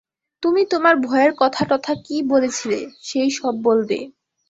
তুমি তোমার ভয়ের কথাটথা কি বলছিলে, সেই সব বলবে।